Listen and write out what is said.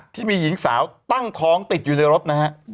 ที่มีหญิงสาวตั้งท้องติดอยู่ในรถนะฮะ